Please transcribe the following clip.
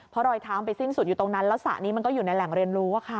เพราะรอยเท้าไปสิ้นสุดอยู่ตรงนั้นแล้วสระนี้มันก็อยู่ในแหล่งเรียนรู้